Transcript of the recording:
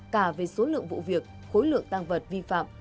cả về số lượng vụ việc khối lượng tăng vật vi phạm